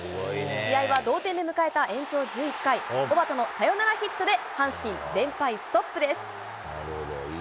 試合は同点で迎えた延長１１回、のサヨナラヒットで阪神連敗ストップです。